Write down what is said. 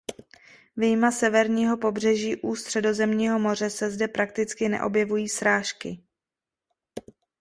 Vyjma severního pobřeží u Středozemního moře se zde prakticky neobjevují srážky.